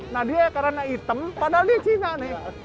nah dia karena hitam padahal dia cina nih